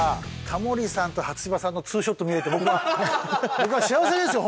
タモリさんと初芝さんのツーショット見れて僕は僕は幸せですよ